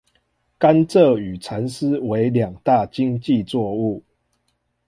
甘蔗與蠶絲為兩大經濟作物